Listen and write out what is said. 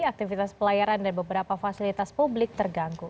aktivitas pelayaran dan beberapa fasilitas publik terganggu